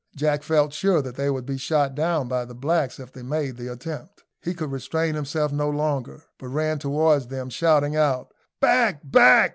Jack felt sure that they would be shot down by the blacks if they made the attempt. He could restrain himself no longer, but ran towards them, shouting out, "Back, back!